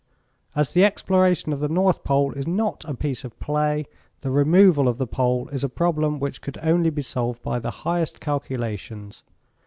As the exploration of the North Pole is not a piece of play the removal of the pole is a problem which could only be solved by the highest calculations.